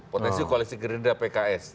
potensi koalisi gerindra pks